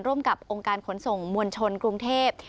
ร่วมกับองค์การขนส่งมวลชนกรุงเทพ